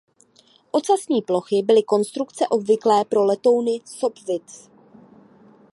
Ocasní plochy byly konstrukce obvyklé pro letouny Sopwith.